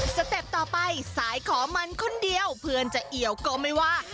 เต็ปต่อไปสายขอมันคนเดียวเพื่อนจะเอี่ยวก็ไม่ว่า